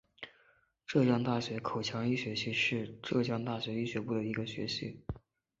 浙江大学口腔医学系是浙江大学医学部的一个学系。